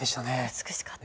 美しかった。